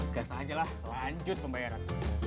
gasah aja lah lanjut pembayaran